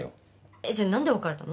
えっじゃあ何で別れたの？